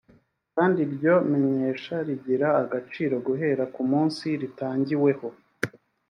kkandi iryo menyesha rigira agaciro guhera ku munsi ritangiweho